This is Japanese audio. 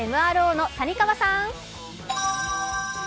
ＭＲＯの谷川さん。